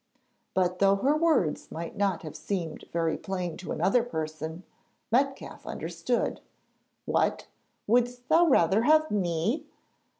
But, though her words might not have seemed very plain to another person, Metcalfe understood. 'What! Wouldst thou rather have me?